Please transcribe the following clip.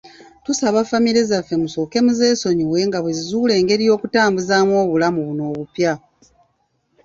Tusaba famire zaffe musooke muzeesonyiwe nga bwe zizuula engeri y'okutambuzaamu obulamu buno obupya.